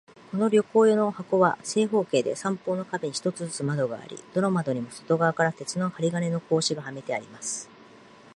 この旅行用の箱は、正方形で、三方の壁に一つずつ窓があり、どの窓にも外側から鉄の針金の格子がはめてあります。